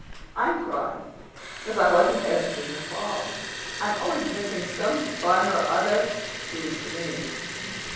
"I'm crying, cause I wasn't there to see her fall. I'm always missing some fun or other, seems to me."